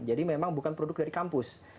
jadi memang bukan produk dari kampus